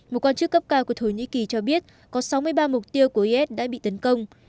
một quan chức cấp cao của thổ nhĩ kỳ cho biết có sáu mươi ba mục tiêu của is đã bị tấn công